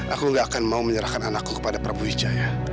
aku gak akan mau menyerahkan anakku kepada prabu wijaya